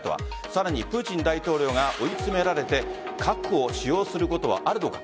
さらにプーチン大統領が追い詰められて核を使用することはあるのか。